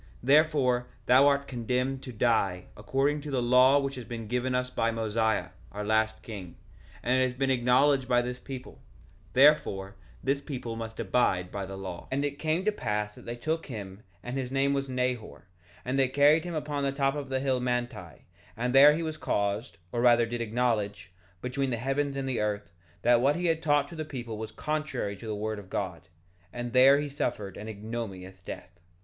1:14 Therefore thou art condemned to die, according to the law which has been given us by Mosiah, our last king; and it has been acknowledged by this people; therefore this people must abide by the law. 1:15 And it came to pass that they took him; and his name was Nehor; and they carried him upon the top of the hill Manti, and there he was caused, or rather did acknowledge, between the heavens and the earth, that what he had taught to the people was contrary to the word of God; and there he suffered an ignominious death.